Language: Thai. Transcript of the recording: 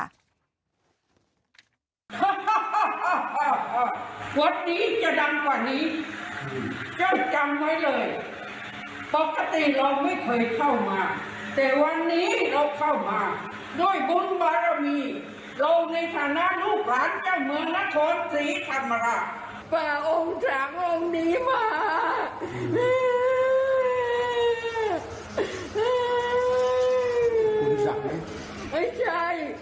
ไอ้ใจพ่อของฉันคุณศัตริย์